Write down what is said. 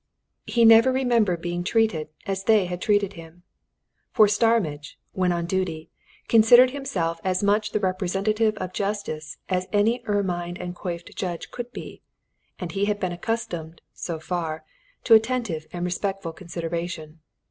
He never remembered being treated as they had treated him. For Starmidge, when on duty, considered himself as much the representative of Justice as any ermined and coifed judge could be, and he had been accustomed so far to attentive and respectful consideration.